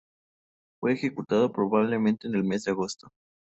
Fue ejecutado probablemente en el mes de agosto.